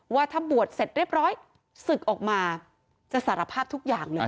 ว่าถ้าบวชเสร็จเรียบร้อยศึกออกมาจะสารภาพทุกอย่างเลย